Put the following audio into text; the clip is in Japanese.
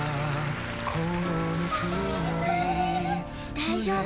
大丈夫。